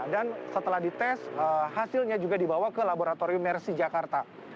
dan setelah dites hasilnya juga dibawa ke laboratorium mersi jakarta